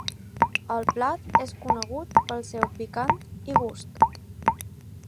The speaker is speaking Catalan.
El plat és conegut pel seu picant i gust.